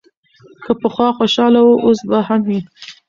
که پخوا خوشاله و، اوس به هم وي.